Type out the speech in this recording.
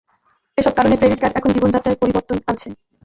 এসব কারণে credit card এখন জীবনযাত্রায় পরিবর্তন আনছে।